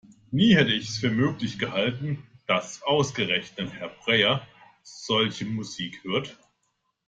Nie hätte ich für möglich gehalten, dass ausgerechnet Herr Breyer solche Musik hört!